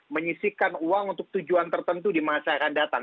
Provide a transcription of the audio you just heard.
menyisikan uang untuk tujuan tertentu di masa yang akan datang